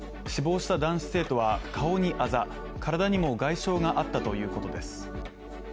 死亡した男子生徒は顔にアザ体にも外傷があったということです。